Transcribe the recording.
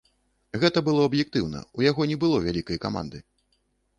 Гэта было аб'ектыўна, у яго не было вялікай каманды.